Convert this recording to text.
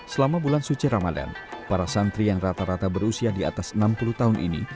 selama bulan suci ramadan para santri yang rata rata berusia di atas enam puluh tahun ini